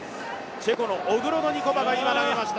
チェコのオグロドニコバが今、投げました。